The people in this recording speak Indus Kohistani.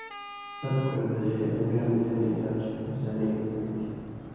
ہتہۡ کُھورہ دژَئیں آں گرم ژریں علاج ہسانی ہِن ہُوئ تھی